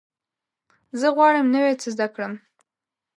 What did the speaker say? زه غواړم نوی څه زده کړم.